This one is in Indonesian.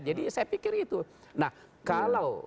jadi saya pikir itu